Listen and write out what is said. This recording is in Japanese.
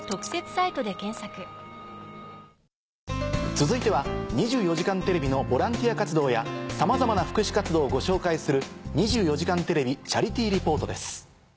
続いては『２４時間テレビ』のボランティア活動やさまざまな福祉活動をご紹介する。